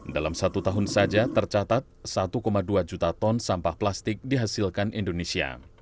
dalam satu tahun saja tercatat satu dua juta ton sampah plastik dihasilkan indonesia